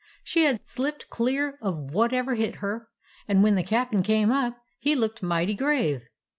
She had slipped clear of whatever hit her, and when the cap'n came up he looked mighty grave.